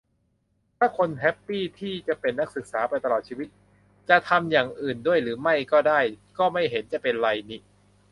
ถ้าคนแฮปปี้ทีจะเป็นนักศึกษาไปตลอดชีวิต จะทำอย่างอื่นด้วยหรือไม่ก็ได้ ก็ไม่เห็นจะเป็นไรนิ